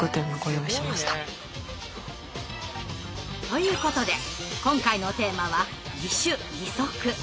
ということで今回のテーマは義手義足。